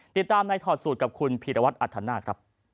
ติดตามในทอดสูตรกับคุณพีรวัตน์อัฐนาค